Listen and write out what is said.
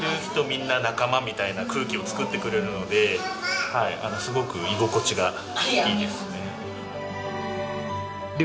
みんな仲間みたいな空気を作ってくれるのですごく居心地がいいですね。